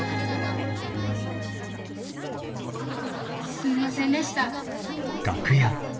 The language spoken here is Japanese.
すんませんでした。